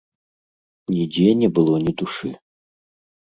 Нідзе не было ні душы.